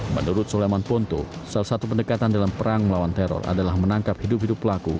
menurut soleman ponto salah satu pendekatan dalam perang melawan teror adalah menangkap hidup hidup pelaku